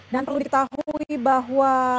dan perlu diketahui bahwa